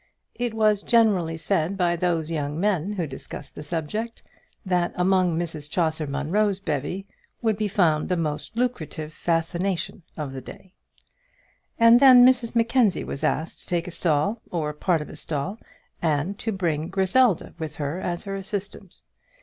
It was generally said by those young men who discussed the subject, that among Mrs Chaucer Munro's bevy would be found the most lucrative fascination of the day. And then Mrs Mackenzie was asked to take a stall, or part of a stall, and to bring Griselda with her as her assistant.